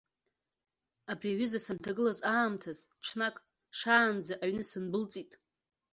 Абри аҩыза санҭагылаз аамҭаз, ҽнак, шаанӡа аҩны сындәылҵит.